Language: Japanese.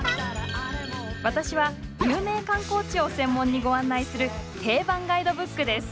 私は有名観光地を専門にご案内する定番ガイドブックです。